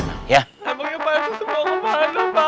emang ya pak rt mau ngapain dong pak